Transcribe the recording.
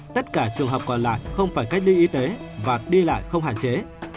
tất cả trường hợp còn lại không phải cách ly y tế và đi lại không hạn chế